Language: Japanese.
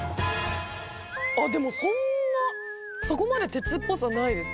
あっでもそんなそこまで鉄っぽさないです。